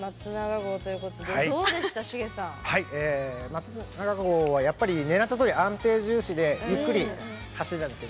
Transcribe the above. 松永号はやっぱりねらったとおり安定重視でゆっくり走れたんですけどね。